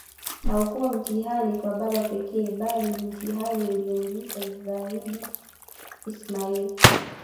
Haukua mtihani kwa baba pekee bali ni mtihani uliyomgusa zaidiIsmail